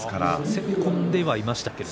攻め込んではいましたけど。